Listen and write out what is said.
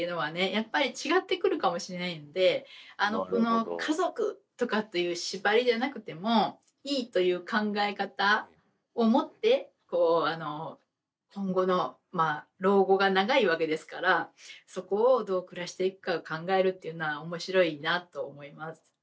やっぱり違ってくるかもしれないのでこの家族とかという縛りでなくてもいいという考え方を持ってこうあの今後のまあ老後が長いわけですからそこをどう暮らしていくかを考えるっていうのは面白いなと思います。